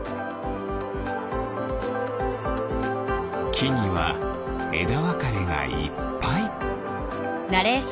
きにはえだわかれがいっぱい。